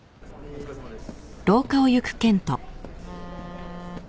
お疲れさまです。